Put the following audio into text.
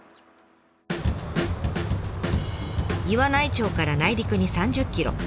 岩内町から内陸に３０ｋｍ。